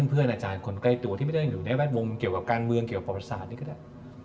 เพื่อนอาจารย์คนใกล้ตัวที่ไม่ได้อยู่ในแวดวงเกี่ยวกับการเมืองเกี่ยวกับประวัติศาสตร์นี่ก็ได้